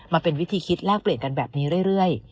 มาเป็นวิธีคิดแลกเปลี่ยนกันแบบนี้เรื่อย